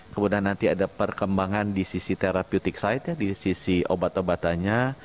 kemudian nanti ada perkembangan di sisi terapiutic side ya di sisi obat obatannya